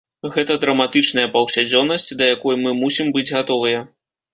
Гэта драматычная паўсядзённасць, да якой мы мусім быць гатовыя.